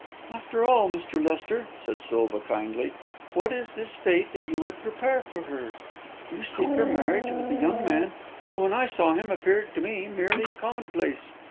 "After all, Mr. Lester," said Silva, kindly, "what is this fate that you would prepare for her? You seek her marriage with a young man who, when I saw him, appeared to me merely commonplace.